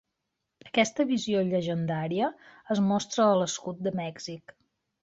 Aquesta visió llegendària es mostra a l'escut de Mèxic.